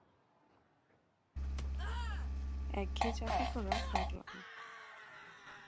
একঘেয়ে চাকরি করা পাগলামো।